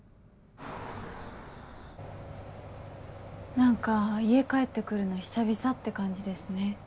何か家帰って来るの久々って感じですね。